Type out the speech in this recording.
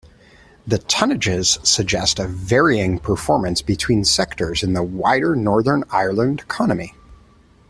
The tonnages suggest a varying performance between sectors in the wider Northern Ireland economy.